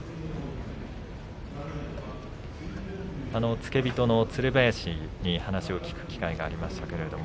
付け人のつる林に話を聞く機会がありました。